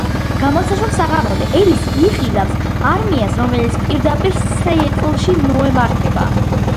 გამოსაშვებ საღამოზე ელისი იხილავს არმიას რომელიც პირდაპირ სიეტლში მოემართება.